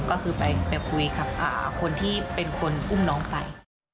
ก็คือไปคุยกับคนที่เป็นคนอุ้มน้องไป